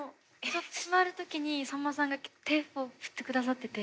閉まる時にさんまさんが手を振って下さってて。